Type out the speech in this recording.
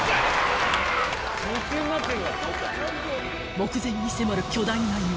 ［目前に迫る巨大な岩］